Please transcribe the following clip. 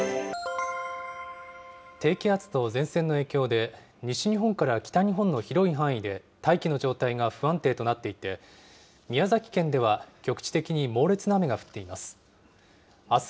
低気圧と前線の影響で、西日本から北日本の広い範囲で大気の状態が不安定となっていて、宮崎県では局地的に猛烈な雨が降っています。